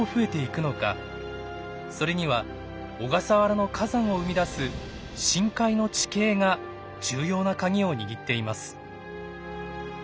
それには小笠原の火山を生み出す深海の地形が重要なカギを握っています。